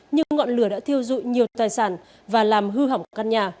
nhưng ngọn lửa đã thiêu dụi nhiều tài sản và làm hư hỏng căn nhà